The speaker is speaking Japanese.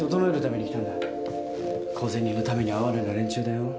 小銭のために哀れな連中だよ。